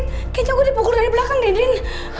kayaknya gue dipukul dari belakang dinding